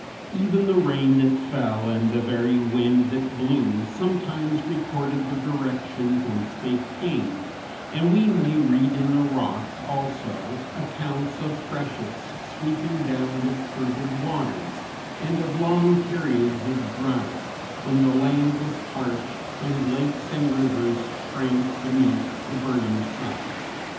Even the rain that fell and the very wind that blew sometimes recorded the direction whence they came, and we may read in the rocks, also, accounts of freshets sweeping down with turbid waters, and of long periods of drouth, when the land was parched and lakes and rivers shrank beneath the burning sun.